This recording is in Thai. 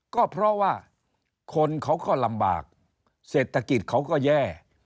ก็เพราะว่าคนเขาก็ลำบากเศรษฐกิจเขาก็แย่